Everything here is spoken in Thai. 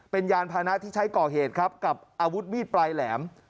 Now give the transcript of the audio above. เป็นยานพานะที่ใช้ก่อเหตุครับกับอาวุธมีดปลายแหลม